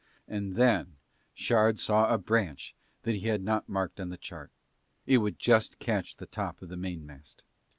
And then Shard saw a branch that he had not marked on the chart, it would just catch the top of the mainmast.